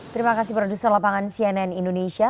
terima kasih produser lapangan cnn indonesia